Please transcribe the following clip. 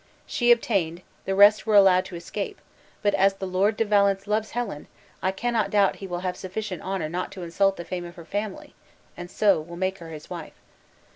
She obtained, the rest were allowed to escape, but as the Lord de Valence loves Helen, I cannot doubt he will have sufficient honor not to insult the fame of her family, and so will make her his wife."